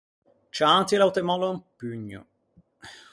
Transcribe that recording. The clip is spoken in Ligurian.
Ciantila ò te mòllo un pugno.